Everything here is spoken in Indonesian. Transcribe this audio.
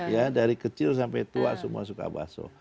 ya dari kecil sampai tua semua suka baso